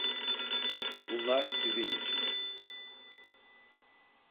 Bunlar sizin için.